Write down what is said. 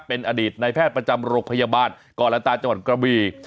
เป็นอดีตในแพทย์ประจำโรงพยาบาลกรตาจังหวัดกระบี